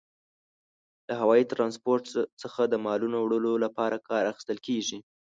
له هوايي ترانسپورت څخه د مالونو وړلو لپاره کار اخیستل کیږي.